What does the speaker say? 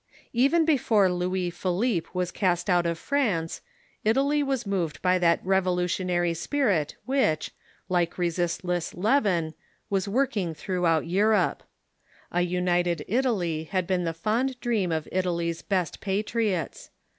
Even before Louis Philippe was cast out of France, Italy was moved by that revolutionary spirit which, like resistless leaven, was working throughout Europe, A United A United Italy t i i i i i r ^?,. r ,,, Italy had been the lond dream ot Italy s best pa triots.